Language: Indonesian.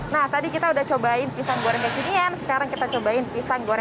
nah tadi kita udah cobain pisang goreng eksisten sekarang kita cobain bisa goreng tanuk jatul